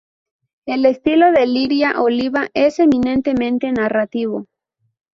El estilo de Liria-Oliva es eminentemente narrativo.